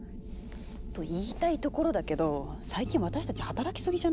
と言いたいところだけど最近私たち働きすぎじゃない？